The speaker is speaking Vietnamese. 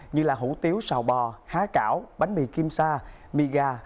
như hủ tiếu xào bò há cảo bánh mì kim sa mì gà